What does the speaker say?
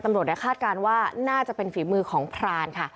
คาดการณ์ว่าน่าจะเป็นฝีมือของพรานค่ะ